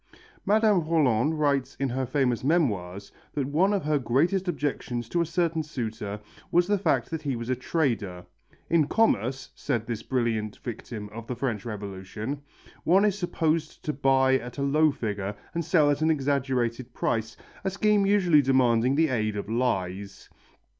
Madame Rolland writes in her famous Memoirs that one of her greatest objections to a certain suitor was the fact that he was a trader. "In commerce," said this brilliant victim of the French Revolution, "one is supposed to buy at a low figure and sell at an exaggerated price, a scheme usually demanding the aid of lies."